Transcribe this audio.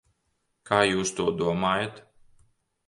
Kā jūs to domājat?